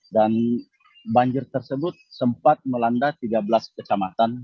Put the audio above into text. dan banjir tersebut sempat melanda tiga belas kecamatan